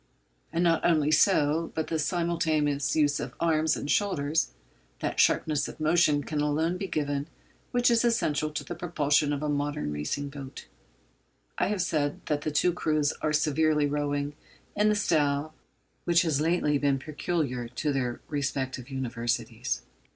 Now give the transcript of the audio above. And not only so, but by the simultaneous use of arms and shoulders, that sharpness of motion can alone be given which is essential to the propulsion of a modern racing boat. I have said that the two crews are severally rowing in the style which has lately been peculiar to their respective Universities.